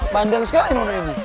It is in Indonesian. bandel sekali lona ini